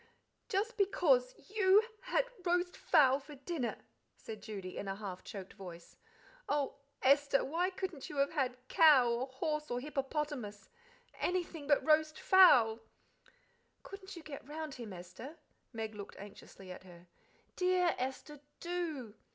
"Just because you had roast fowl for dinner," said Judy, in a half choked voice. "Oh, Esther, why couldn't you have had cow, or horse, or hippopotamus anything but roast fowl?" "Couldn't you get round him, Esther?" Meg looked anxiously at her. "Dear Esther, do!"